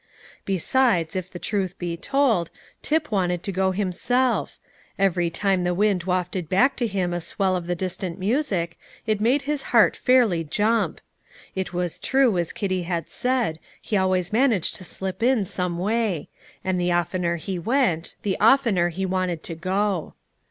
Besides, if the truth be told, Tip wanted to go himself; every time the wind wafted back to him a swell of the distant music, it made his heart fairly jump. It was true, as Kitty had said, he always managed to slip in some way; and the oftener he went, the oftener he wanted to go.